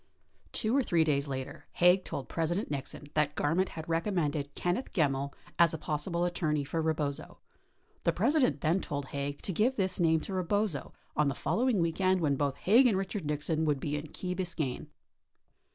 53 Two or three days later, Haig told President Nixon that Garment had recommended Kenneth Gemmill as a possible attorney for Rebozo. The President then told Haig to give this name to Rebozo on the following weekend when both Haig and President Nixon would be in Key Biscayne.